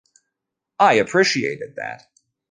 I appreciated that.